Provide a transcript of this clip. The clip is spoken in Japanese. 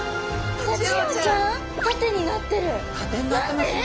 縦になってますよ。